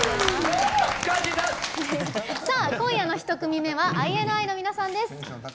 今夜の１組目はＩＮＩの皆さんです。